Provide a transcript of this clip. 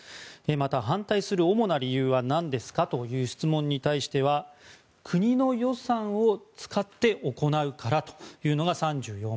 また、反対する主な理由は何ですか？という質問に対しては国の予算を使って行うからというのが３４％。